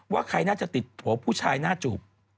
ว่าใครน่าจะติดผัวผู้ชายหน้าจูบ